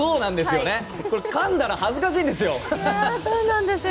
かんだら恥ずかしいんですよ。